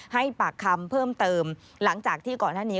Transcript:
ให้ปากคำเพิ่มเติมหลังจากที่ก่อนหน้านี้